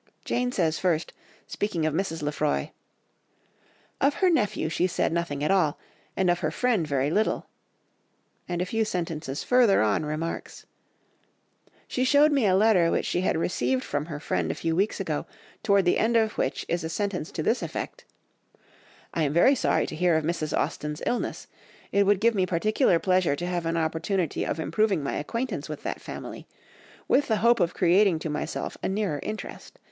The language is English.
Jane says first, speaking of Mrs. Lefroy, "Of her nephew she said nothing at all, and of her friend very little," and a few sentences further on remarks, "She showed me a letter which she had received from her friend a few weeks ago, toward the end of which is a sentence to this effect, 'I am very sorry to hear of Mrs. Austen's illness. It would give me particular pleasure to have an opportunity of improving my acquaintance with that family—with the hope of creating to myself a nearer interest.